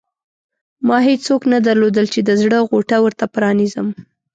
ما هېڅوک نه درلودل چې د زړه غوټه ورته پرانېزم.